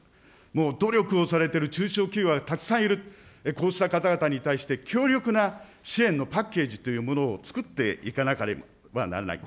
もう努力をされてる中小企業はたくさんいる、こうした方々に対して、強力な支援のパッケージというものを作っていかなければならない。